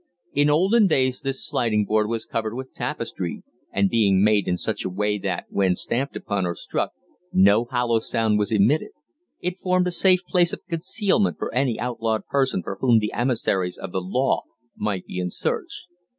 In olden days this sliding board was covered with tapestry, and being made in such a way that, when stamped upon or struck, no hollow sound was emitted, it formed a safe place of concealment for any outlawed person for whom the emissaries of the law might be in search.